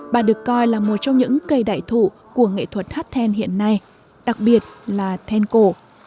bà được coi là một trong những cây đại thụ của nghệ thuật hát then hiện nay đặc biệt là then cổ